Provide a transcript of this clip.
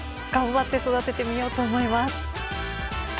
頑張って育ててみようと思います。